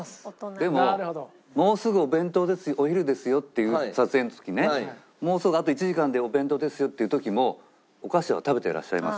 でももうすぐお弁当ですお昼ですよって撮影の時ねもうすぐあと１時間でお弁当ですよっていう時もお菓子は食べていらっしゃいます。